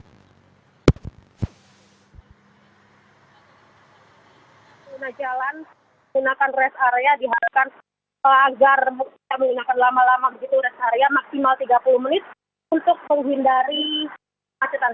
pengguna jalan menggunakan rest area diharapkan agar tidak menggunakan lama lama begitu rest area maksimal tiga puluh menit untuk menghindari kemacetan